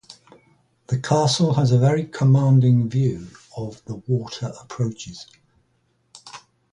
The castle has a very commanding view of the water approaches.